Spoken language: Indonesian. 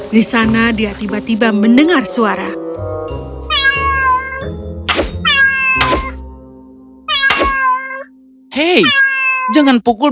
di sana dia tiba tiba mendengar suara